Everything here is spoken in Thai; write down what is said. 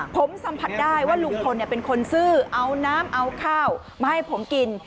ผมสัมผัสได้ว่าลุงพลเป็นคนซื้อเอาน้ำเอาข้าวมาให้ผมกิน